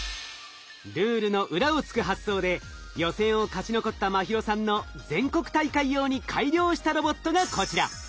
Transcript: ルールの裏を突く発想で予選を勝ち残った茉尋さんの全国大会用に改良したロボットがこちら。